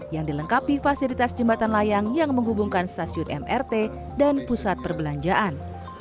yang dilengkapi fasilitas jembatan layang yang menghubungkan stasiun mrt dan pusat perbelanjaan